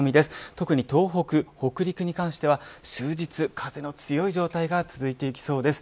特に東北、北陸に関しては終日、風の強い状態が続いていきそうです。